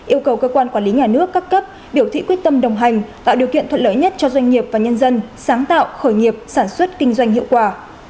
yêu cầu cơ quan quản lý nhà nước các cấp biểu thị quyết tâm đồng hành tạo điều kiện thuận lợi nhất cho doanh nghiệp và nhân dân sáng tạo khởi nghiệp sản xuất kinh doanh hiệu quả